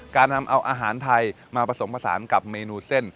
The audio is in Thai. การนำเอาอาหารไทยมาผสมผสานกับเมนูเส้น